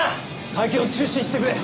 会見を中止してくれ！